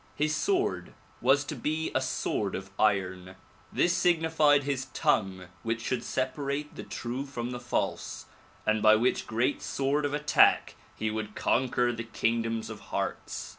His sword was to be a sword of iron. This signified his tongue which should separate the true from the false and by which great sword of attack he would conquer the kingdoms of hearts.